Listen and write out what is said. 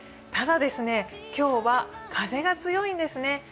ただ、今日は風が強いんですね。